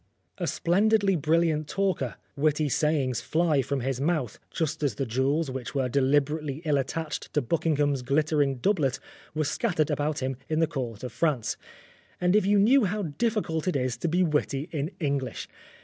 A splendidly brilliant talker, witty sayings fly from his mouth, just as the jewels, which were deliberately ill attached to Bucking 260 Oscar Wilde ham's glittering doublet, were scattered about him in the Court of France. And if you knew how difficult it is to be witty in English